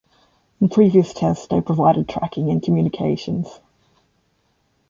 In previous tests they provided tracking and communications.